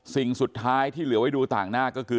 สิ่งสุดท้ายที่เหลือไว้ดูต่างหน้าก็คือ